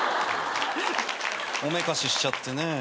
おめかししちゃってねぇ。